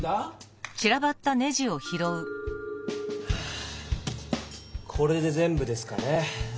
はぁこれで全部ですかね。